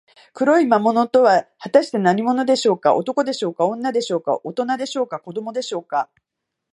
黒い魔物とは、はたして何者でしょうか。男でしょうか、女でしょうか、おとなでしょうか、子どもでしょうか。